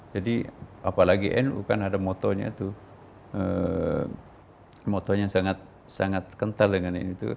jadi apalagi nu kan ada motonya itu motonya sangat kental dengan ini